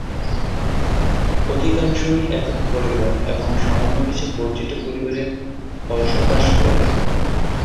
অধিকাংশই একক পরিবার এবং সামান্য কিছু বর্ধিত পরিবারে বসবাস করে।